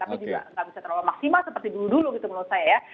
tapi juga nggak bisa terlalu maksimal seperti dulu dulu gitu menurut saya ya